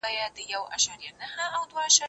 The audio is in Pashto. موبایل وکاروه،